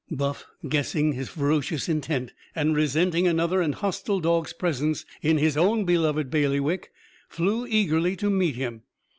Buff, guessing his ferocious intent and resenting another and hostile dog's presence in his own beloved bailiwick, flew eagerly to meet him.